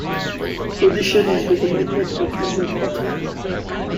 Audition is recommended but will not matter.